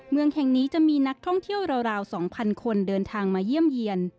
เมืองแห่งนี้จะมีนักท่องเที่ยวราว๒๐๐คนเดินทางมาเยี่ยมเยี่ยน